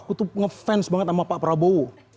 aku tuh ngefans banget sama pak prabowo